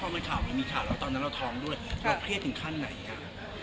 ตอนนั้นเราท้องด้วยเราเครียดถึงขั้นไหนอ่ะ